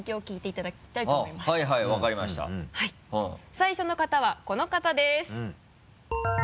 最初の方はこの方です。